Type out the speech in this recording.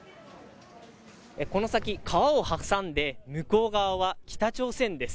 この先、川を挟んで向こう側は、北朝鮮です。